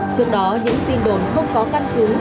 trước đó những tin đồn không có căn cứ